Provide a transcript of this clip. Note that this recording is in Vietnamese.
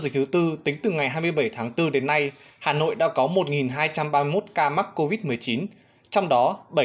dịch thứ bốn tính từ ngày hai mươi bảy tháng bốn đến nay hà nội đã có một hai trăm ba mươi một ca mắc covid một mươi chín trong đó bảy trăm sáu mươi